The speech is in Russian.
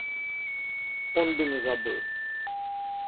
Он бы не забыл.